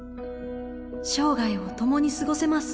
生涯を共に過ごせます